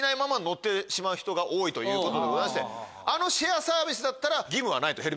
人が多いということでございましてあのシェアサービスだったら義務はないとヘルメット。